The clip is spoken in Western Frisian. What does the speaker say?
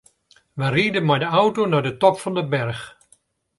Wy ride mei de auto nei de top fan de berch.